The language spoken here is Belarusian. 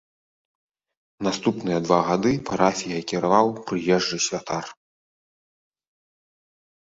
Наступныя два гады парафіяй кіраваў прыезджы святар.